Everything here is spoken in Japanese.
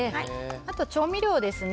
あと調味料ですね。